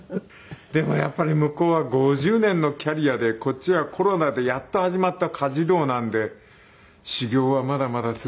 でもやっぱり向こうは５０年のキャリアでこっちはコロナでやっと始まった家事道なんで修業はまだまだ続きそうで。